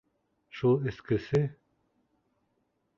Шул эскесе...